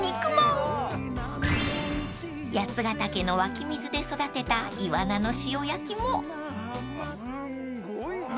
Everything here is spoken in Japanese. ［八ヶ岳の湧き水で育てたイワナの塩焼きも］